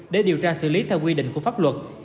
để điều tra xử lý theo quy định của pháp luật